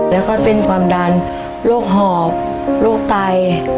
แล้วก็เป็นความดันโรคหอบโรคไต